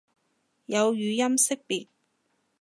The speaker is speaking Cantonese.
有語音識別